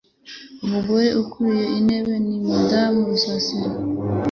Umugore uri ku ntebe ni Madamu Rusasira.